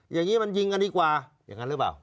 อย่างนี้มันยิงกันดีกว่าอย่างนั้นหรือเปล่า